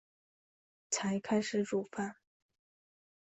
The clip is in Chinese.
才开始煮饭